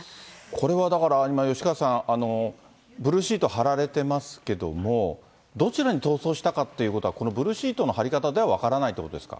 これはだから、今、吉川さん、ブルーシート張られてますけども、どちらに逃走したかっていうことは、このブルーシートの張り方では分からないということですか。